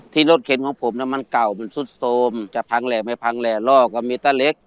รถเข็นของผมมันเก่ามันซุดโทรมจะพังแหล่ไม่พังแหล่ล่อก็มีตะเล็ก